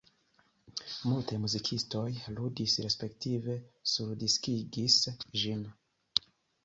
Multaj muzikistoj ludis respektive surdiskigis ĝin.